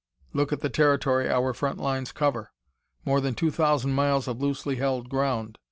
Look at the territory our front lines cover! More than two thousand miles of loosely held ground.